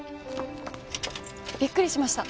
びっくりしました。